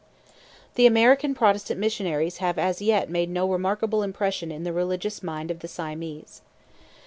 The American Protestant missionaries have as yet made no remarkable impression on the religious mind of the Siamese.